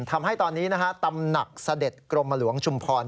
ทำให้ตอนนี้ตำหนักเสด็จกรมหลวงชุมพร